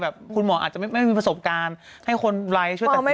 คุณหมออาจจะไม่มีประสบการณ์ให้คนไร้ช่วยตัดสิน